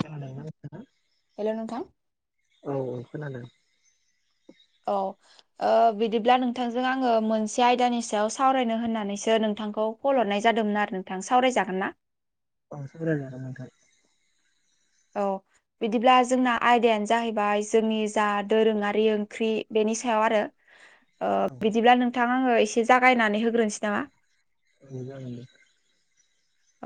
खोनादों ना नोंथाङा? हेल' नोंथां। औ ओं खोनादों। औ। ओ बिदिब्ला नोंथांजों आङो मोनसे आयदानि सायाव सावरायनो होननानैसो नोंथांखौ कल हरनाय जादोंमोन आरो नोंथां। सावराय जागोन ना? ओं सावराय जागोन नोंथां। औ। बिदिब्ला जोंना आयदायानो जाहैबाय जोंनि जा दोरोङारि ओंख्रि बेनि सायाव आरो। ओ औ बिदिब्ला नोंथां आङो एसे जागायनानै होग्रोनसै नामा? औ जागोन दे।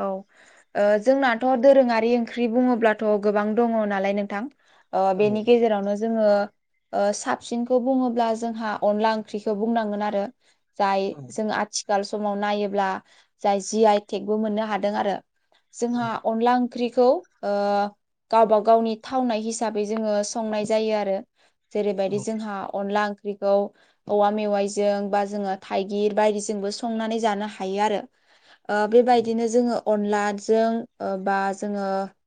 औ। जोंनाथ' दोरोङारि ओंख्रि बुङोब्लाथ' गोबां दङ नालाय नोंथां। ओ औ बेनि गेजेरावनो जोङो ओ साबसिनखौ बुङोब्ला जोंहा अनला ओंख्रिखो बुंनांगोन आरो जाय औ जों आथि खाल समाव नायोब्ला जाय जि आइ टेकबो मोननो हादों आरो। जोंहा अनला ओंख्रिखौ ओ गावबा गावनि थावनाय हिसाबै जोङो संनाय जायो आरो। औ जेरैबायदि जोंहा अनला ओंख्रिखौ औवा मेवाइजों बा जोङो थाइगिर बायदिजोंबो संनानै जानो हायो आरो। ओ बेबायदिनो जोङो अनलाजों ओ बा जोङो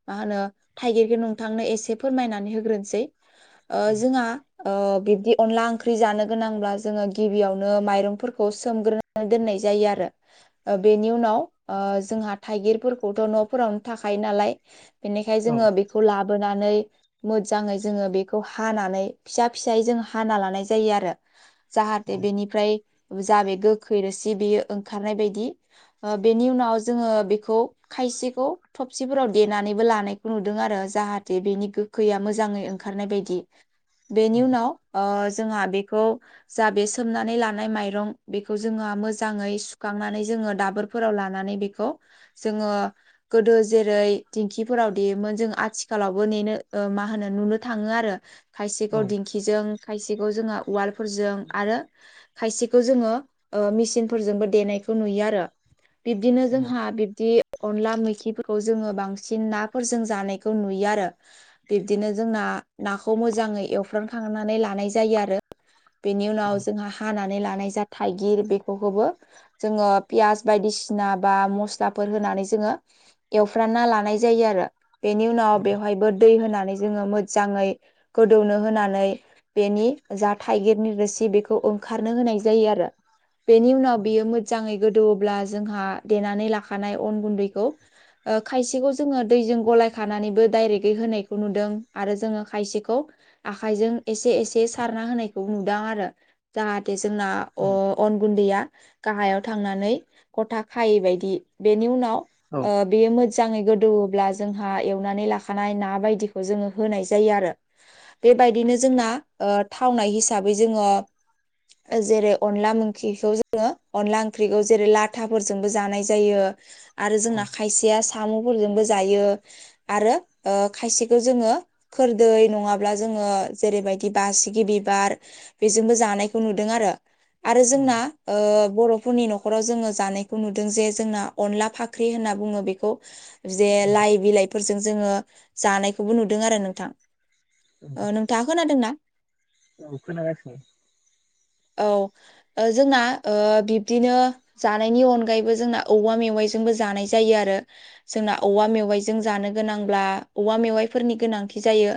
मा होनो थाइगिरखौ नोंथांनो एसे फोरमायनानै होग्रोसै। ओ जोंहा ओ बिब्दि अनला ओंख्रि जानो गोनांब्ला जोङो गिबियावनो माइरंफोरखौ सोमग्रो ओ दोननाय जायो आरो। ओ बिनि उनाव ओ जोंहा थाइगिरफोरखौथ' न'फोरावनो थाखायो नालाय बेनिखाय जोङो बे खौ लाबोनानै मोजाङै जोङो बेखौ हानानै फिसा फिसायै जों हाना लानाय जायो आरो। जाहाथे बेनिफ्राय जा बे गोखै रोसि बेयो ओंखारनाय बायदि ओ बेनि उनाव जोङो बेखौ खायसेखौ थबसिफोराव देनानैबो लानायखौ नुदों आरो जाहाथे बेनि गो खैया मोजाङै ओंखारनाय बायदि बेनि उनाव ओ जोंहा बेखौ जा बे सोमनानै लानाय माइरं बेखौ जोङो मोजाङै सुखांनानै जोङो दाबोर फोराव लानानै बेखौ जोङो गोदो जेरै दिंखिफोराव देयोमोन जों आथिखालावबो नेनो ओ मा होनो नुनो थाङो आरो। खायसेखौ दिंखिजों खायसेखौ जोङा उवालफोरजों आरो खायसेखौ जोङो ओ मिसिनफोरजोंबो देनायखौ नुयो आरो। बिदिनो जोंहा बिब्दि अनला मैखिफोरखौ जोङो बांसिन नाफोरजों जानायखौ नुयो आरो। बिब्दिनो जोंना नाखौ मोजाङै एवफ्रानखांनानै लानाय जायो आरो। बेनि उनाव जोंहा हानानै लानाय जा थाइगिर बेबो जोङो पियास बायदिसिना बा मस्लाफोर होनानै जोङो एवफ्रानना लानाय जायो आरो। बेनि उनाव बेवहायबो दै होनानै जोङो मोजाङै गोदौनो होनानै बेनि जा थाइगिरनि रोसि बेखौ ओंखारनो होनाय जायो आरो बेनि उनाव बियो मोजाङै गोदौयोब्ला जोंहा देनानै लाखानाय अन गुन्दैखौ ओ खायसेखौ जोङो दैजों गलाय खानानैबो डायरेक्टयै होनायखौ नुदों आरो जोङो खायसेखौ आखाइजों एसे एसे सारना होनायखौ नुदां आरो जाहाथे जोंना औ अन गुन्दैया गाहायाव थांनानै गथा खायै बायदि बेनि उनाव औ ओ बेयो मोजाङै गोदौब्ला जोंहा एवनानै लाखानाय ना बायदिखौ जोङो होनाय जायो आरो बेबायदिनो जोंना ओ थावनाय हिसाबै जोङो जेरै अनला ओंख्रिखौ जोङो अनला ओंख्रिखौ जेरै लाथाफोरजोंबो जानाय जायो आरो जोंना खायसेया साम'फोरजोंबो जायो आरो ओ खायसेखौ जोङो खोरदै नङाब्ला जोङो जेरैबायदि बासिगि बिबार बेजोंबो जानायखौ नुदों आरो आरो जोंना ओ बर'फोरनि न' खराव जोङो जानायखौ नुदों जे जोंना अनला फाख्रि होनना बुङो बेखौ जे लाइ बिलाइफोरजों जोङो जानायखौबो नुदों आरो नोंथां ओ नों थाङा खोनादोंना औ खोनागासिनो औ ओ जोंना ओ बिब्दिनो जानायनि अनगायैबो जोंना औवा मेवाइजोंबो जानाय जायो आरो जोंना औवा मेवाइजों जानो गोनांब्ला औवा मेवाइफोरनि गोनांथि जायो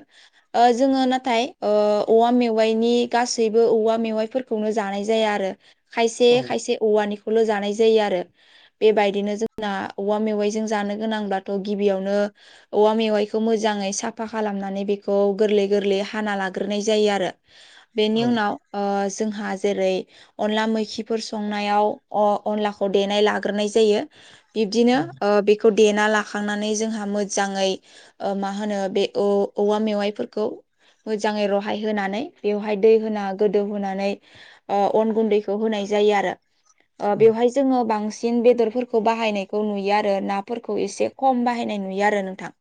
ओ जोंङो नाथाय ओ औवा मेवाइनि गासैबो औवा मेवाइफोर खौनो जानाय जाया आरो खायसे औ खायसे औवानिखौल' जानाय जायो आरो बेबायदिनो जोंना औवा मेवाइजों जानो गोनांब्लाथ' गिबियावनो औवा मेवाइखौ मोजाङै साफा खालामनानै बेखौ गोरलै गोरलै हाना लाग्रोनाय जायो आरो औ बेनि उनाव ओ जोंहा जेरै अनला मैखिफोर संनायाव अ अनलाखौ देनाय लाग्रोनाय जायो बिदिनो ओ बे खौ देना लाखांनानै जोंहा मोजाङै ओ मा होनो बे औ औवा मेवाइफोरखौ मोजाङै रहाय होनानै बेवहाय दै होना गोदौहोनानै ओ अन गुन्दैखौ होनाय जायो आरो ओ औ बेवहाय जोङो बांसिन बेदरफोरखौ बाहायनायखौ नुयो आरो नाफोरखौ एसे खम बाहायनाय नुयो आरो नोंथां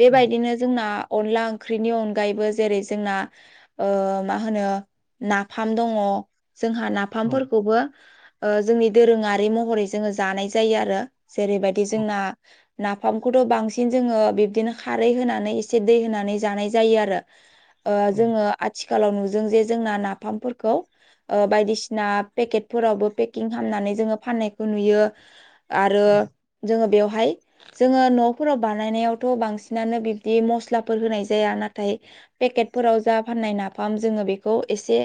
बेबायदिनो जोंना अनला ओंख्रिनि अनगायैबो जेरै जोंना ओ मा होनो नाफाम दङ जोंहा नाफामफोरखौबो ओ जोंनि दोरोङारि महरै जोङो जानाय जायो आरो जेरैबायदि जोंना नाफामखौथ' बांसिन जोंङो बिदिनो खारै होनानै एसे दै होनानै जानाय जायो आरो ओ जोङो आथिखालाव नुदों जे जोंना नाफामफोरखौ ओ बायदिसिना पेकेटफोरावबो पे किं खालामनानै जोङो फाननायखौ नुयो आरो औ जोङो बेवहाय जोङो न'फोराव बानायनायावथ' बांसिनानो बिब्दि मस्लाफोर होनाय जाया नाथाय पेकेटफोराव जा फाननाय नाफाम जोङो बेखौ एसे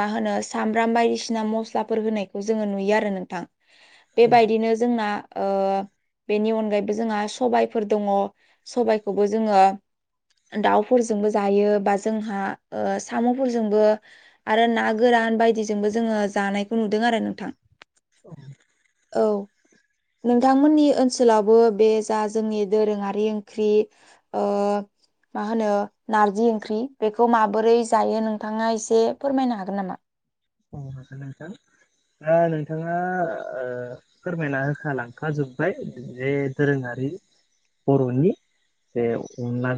मा होनो सामब्राम बायदिसिना मस्लाफोर होनाय खौ जोङो नुयो आरो नोंथां बेबायदिनो जोंना ओ बेनि अनगायैबो जोंहा सबाइफोर दङ सबाइखौबो जोङो दाउफोरजोंबो जायो बा जोंहा ओ साम'फोरजोंबो आरो ना गोरान बायदिजोंबो जोङो जानायखौ नुदों आरो नोंथां औ औ नोंथांमोननि ओनसोलावबो बे जा जोंनि दोरोङारि ओंख्रि ओ मा होनो नारजि ओंख्रि बेखौ माबोरै जायो नोंथांङा एसे फोरमायनो हागोन नामा अ हागोन नोंथां दा नोंथांङा फोरमायना होखा लांखाजोबबाय बे दोरोंङारि बर'नि बे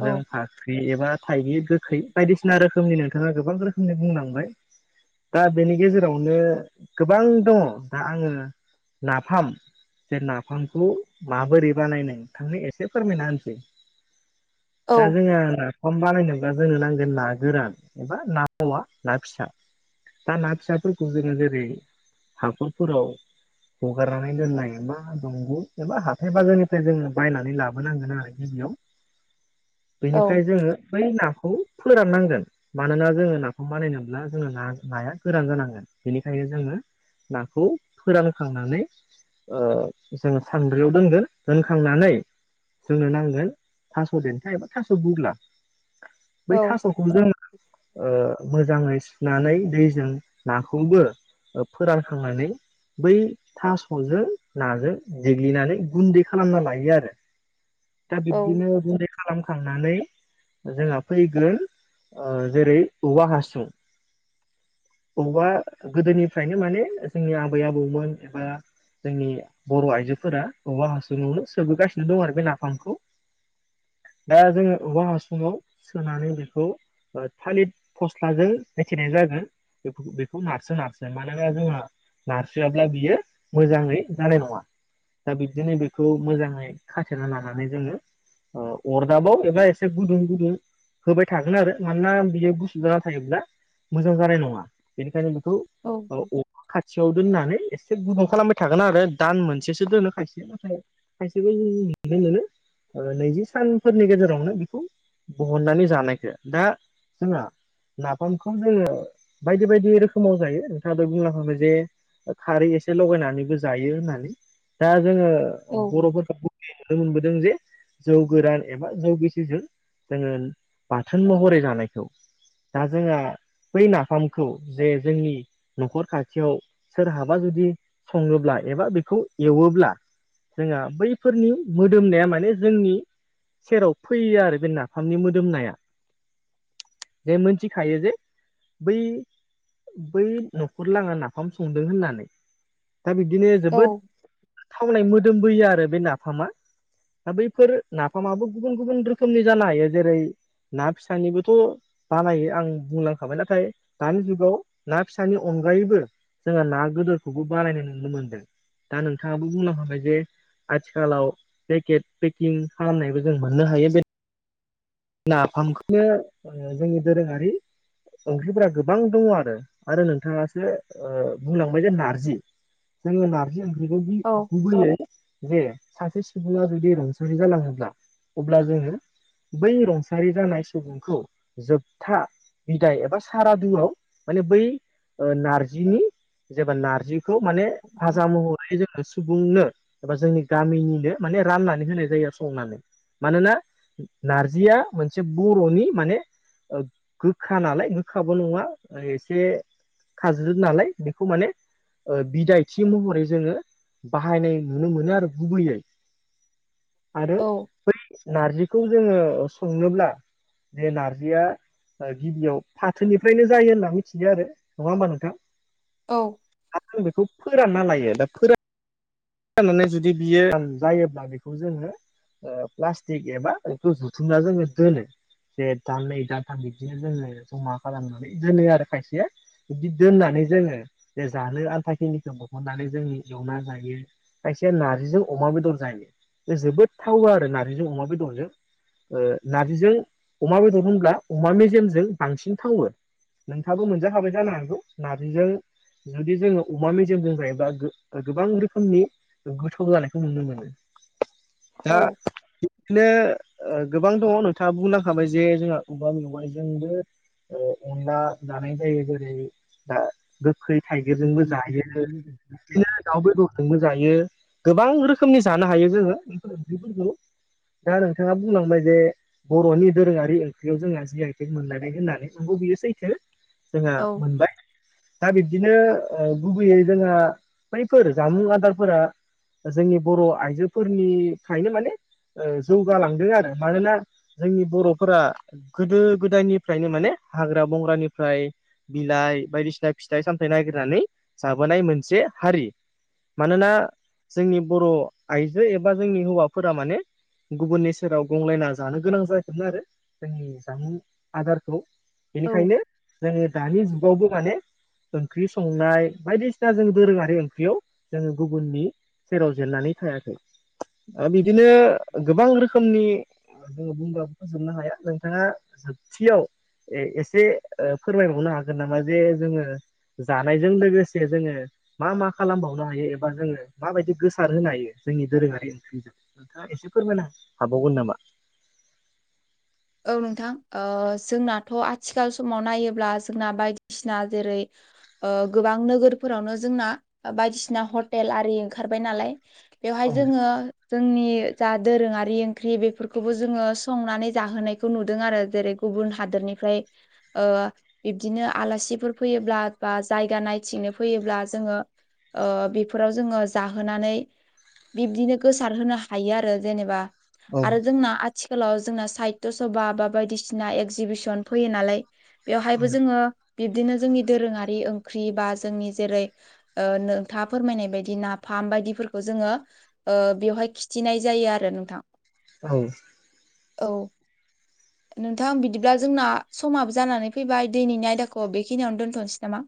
औ फाख्रि एबा थाइगि गोखै बायदिसिना रोखोमनि नोंथांङा गोबां रोखोमनि बुंलांबाय दा बेनि गेजेरावनो गोबां दंङो दा आंङो नाफाम जे नाफामखौ माबोरै बानायनो थांनो एसे फोरमायना होनसै औ दा जोंहा सम बानायनोब्ला जोंनो नांगोन ना गोरान एबा ना मावा ना फिसा दा ना फिसाफोरखौ जोंङो जेरै हाखरफोराव हगारनानै दोननाय एबा दंग' एबा हाथाय बाजारनिफ्राय जों बायनानै लाबोनांगोन आरो बि [inaudible] बेनिफ्राय जोंङो बै नाखौ फोराननांगोन मानोना जोंङो नाखौ बानायनोब्ला जोंङो ना नाया गोरान जानांगोन बेनिखायनो जोंङो नाखौ फोरानखांनानै जोंङो सानब्रैयाव दोनगोन दोनखांनानै जोंनो नांगोन थास' देन्था एबा थास' बुग्ला बै औ थास'खौ जों मोजांङै सुनानै दैजों नाखौबो फोरानखांनानै बै थास'जों नाजों देग्लिनानै गुन्दै खालामना लायो आरो दा औ बिदिनो [unintelligible] खालामखांनानै जोंहा फैगोन जेरै औवा हासुं अबावबा गोदोनिफ्रायनो माने जोंनि आबै आबौमोन एबा जोंनि बर' आइजोफोरा औवा हासुंङावनो सोबोगासिनो दं आरो बे नाफामखौ दा जोंङो बबेवा हासुंङाव सोनानै बेखौ थालिर फस्लाजों एखेनाय जागोन बे बेखौ नारसो नारसो मानोना जोंहा नारसोयाब्ला बियो मोजांङै जानाय नंङा दा बिदिनो बेखौ मोजांङै खाथेना लानानै जोंङो अ अरदाबाव एबा एसे गुदु गुदुं होबाय थागोन आरो मानोना बियो गुसु जाना थायोब्ला मोजां जानाय नंङा बेनिखायनो बेखौ औ औ खाथियाव दोननानै एसे गुदुं खालामबाय थागोन आरो दान मोनसेसो दोनो खाथि नाथाय खायसेखौ जों नुनो मोनो नैजि सानफोरनि गेजेरावनो बेखौ बहननानै जानायखौ दा जोंहा नाफामखौ जोंङो बायदि बायदि रोखोमाव जायो नोंथांङाबो बुलांखाबाय जे खारै एसे लगायनानैबो जायो होननानै दा जोंङो औ बर'फोरखौ नुनो मोनबोदों जे जौ गोरान एबा जौ गेसिजों जोंङो बाथोन महरै जानायखौ दा जोंहा बै ना नाफामखौ जे जोंनि न'खर खाथियाव सोरहाबा जुदि संङोब्ला एबा बेखौ एवोब्ला जोंहा बैफोरनि मोदोमनाया माने जोंनि सेराव फैयो आरो बे नाफामनि मोदोमनाया जे मिथिखायो जे बै बै न'खरला आङा नाफाम संदों होननानै दा बिदिनो औ जोबोद थावनाय मोदोमबोयो आरो बे नाफामा दा बैफोर नाफामाबो गुबुन गुबुन रोखोमनि जानो हायो। जेरै ना फिसानिबोथ' बानायो आं बुंलांखाबाय नाथाय दानि जुगाव ना फिसानि अनगायैबो जोंङो ना गोदोरखौबो बारायनाय नुनो मोनदों। दा नोंथांङाबो बुंनो हाबाय जे आथिखालाव पेकेट पेकिं खालामनायबो जों मोननो हायो बे नाफामखौनो जोंनि दोरोङारि। ओंख्रिफोरा गोबां दङ आरो आरो नोंथाङासो बुंलांबाय जे नारजि जो नारजि ओंख्रिखौ गि औ गुबैयो जे सासे सुबुङा जुदि रुंसारि जालाङोब्ला अब्ला जोङो बै रुंसारि जानाय सुबुंखौ जोबथा बिदाय एबा सारादुआव माने बै ओ नारजिनि जेबा नारजिखौ माने फाजा महरै जोङो सुबुंनो एबा जोंनि गामिनिनो माने राननानै होनाय जायो आरो संनानै मानोना नारजिया मोनसे बर'नि माने गोखा नालाय गोखाबो नङा एसे खाज्रु नालाय बेखौ माने ओ बिदायथि महरै जोङो बाहायनाय नुनो मोनो आरो गुबैयै [inaudible] आरो बै नारजिखौ जोङो संनोब्ला बे नारजिया गिबियाव फाथोनिफ्रायनो जायो होनना मिथियो आरो नङा होमबा नोंथां? औ आर जों बेखौ फोरानना लायो दा फोरान जनानै जुदि बियो जायोब्ला बेखौ जोंङो ओ प्लाासटक एबा जुथुमनानै दोनो। जे दान नै दानथाम बिदिनो जोंङो जमा खालामनानै दोनो आरो खायसेया। बिदि दोननानै जोंङो बे जानो आन्था खिनिखौ दिहननानै जों एवना जायो। खायखिया नारजिजों अमा बेदर जायो बे जोबोद थावा आरो नार्जिजों अमा बेदरजों। ओ नारजिजों अमा बेदर होनब्ला अमा मेजेमजों बांसिन थावो। नोंथाबो मोनजाखाबायथा नौ नार्जिजों जुदि जोंङो अमा मेजेमजोंजायोबब्ला गोबां रोखोमनि गोथौ जानायखौ नुनो मोनो औ दा बिदिनो गोबां दंङो नोंथांङा बुंनांखाबाय जे जोंहा बबेबा मेवाइजोंबो ओ अनला जानाय जायो बोरै दा गोखै थाइगिरजोंबो जायो बिदिनो दाउ बेदरजोंबो जायो गोबां रोखोमनि जानो हायो जोंङो ओंख्रिफोरखौ। दा नोंथांङा बुंलांबाय जे बर'नि दोरोङारि ओंख्रियाव जोंहा जि आइटेक मोनलायबाय होननानै नंगौ बियो सैथो। जोंहा मोनबाय। दा बिब्दिनो गुबैयै जोंहा बैफोर जामुं आदार फोर जोंनि बर' आइजोफोरनिफ्रायनो माने ओ जौगालांदों आरो मानोना जोंनि बर'फोरा गोदो गोदायनिफ्रायनो माने हाग्रा बंग्रानिफ्राय बिलाइ बायदिसिना फिथाइ सामथायाइ नागिरनानै जाबोनाय मोनसे हारि। मानोना जोंनि बर' आइजो एबा जोंनि हौवाफोरा माने गुबुननि सेराव गंलायना जानो गोनां जायाखैमोन आरो जोंनि जामुं आदारखौ औ बेनिखायनो जोंङो दानि जुगावबो माने ओंख्रि संनाय बायदिसिना जों दोरोंङारि ओंख्रियाव जोंङो गुबुननि सेराव जेननानै थायाखै। दा बिदिनो गोबां रोखोमनि जोंङो बुंब बे फोजोबनो हाया नोंथांङा जोबथियाव एसे ओ फोरमायबावनो हागोन नामा जे जोंङो जानायजों लोगोसे जोंङो मा मा खालामबावो? सनो हायो एबा जोङो माबायदि गोसार होनो हायो जोंनि दोरोङारि ओंख्रिजों। एसे फोरमायना हाबावगोन नामा? औ नोंथां ओ जोंनाथ' आथिखाल समाव नायोब्ला जोंना बायदिसिना जेरै ओ गोबां नोगोरफोरावनो जोंना बायदिसिना हटेल आरि ओंखारबाय नालाय बेवहाय औ जोंङो जोंनि जा दोरोङारि ओंख्रि बेफोरखौबो जोंङो संनानै जाहोनायखौ नुदों आरो जेरै गुबुन हादोरनिफ्राय ओ बिब्दिनो आलासिफोर फैयोब्ला बा जायगा नायथिंनो फैयोब्ला जोङो ओ बेफोराव जोंङो जाहोनानै बिब्दिनो गोसार होनो हायो आरो जेनेबा औ आरो जोंना आथिखालाव जोंना साहित्य' सभा बा बायदिसिना एगजिबिसन फैयो नालाय बेवहायबो जोङो बिब्दिनो जोंनि दोरोङारि ओंख्रि बा जोंनि जेरै ओ नोंथाङा फोरमायनाय बायदि नाफाम बायदिफोरखो जोङो ओ बेवहाय खिथिनाय जायो आरो नोंथां। औ औ नोंथां बिदिब्ला जोंना समाबो जानानै फैबाय दैनैनि आयदाखौ बेखिनियावनो दोन्थ'नोसै नामा?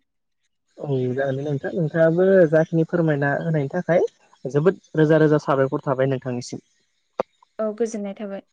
औ जागोन नोंथां नोंथाङाबो जाखिनि फोरमायना होनायनि थाखाय जोबोद रोजा रोजा साबायर थाबाय नोंथांनिसिम। औ गोजोननाय थाबाय।